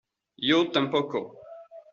yo tampoco.